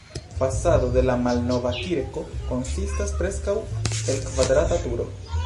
Fasado de la malnova kirko konsistas preskaŭ el kvadrata turo.